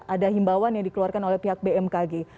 ada himbawan yang dikeluarkan oleh pihak bmkg